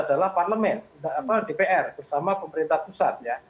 adalah parlemen dpr bersama pemerintah pusat ya